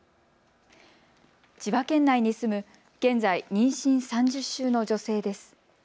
千葉県内に住む現在、妊娠３０週の女性です。